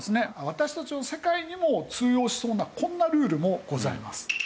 私たちの世界にも通用しそうなこんなルールもございます。